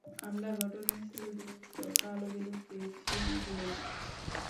আমরা ঘটনাস্থলে দুটো কালো বেলুন পেয়েছি, গুয়েন।